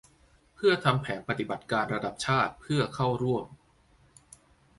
เพื่อทำแผนปฏิบัติการระดับชาติเพื่อเข้าร่วม